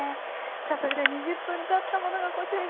さあそれでは２０分たったものがこちら。